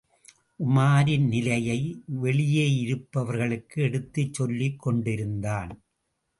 உமாரின் நிலையை வெளியேயிருப்பவர்களுக்கு எடுத்துச் சொல்லிக் கொண்டிருந்தான்.